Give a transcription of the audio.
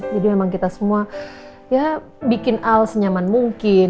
jadi memang kita semua ya bikin al senyaman mungkin